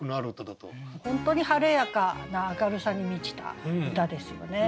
本当に晴れやかな明るさに満ちた歌ですよね。